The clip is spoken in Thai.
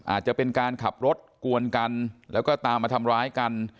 อาจจะเป็นการขับรถกวนกันแล้วก็ตามมาทำร้ายกัน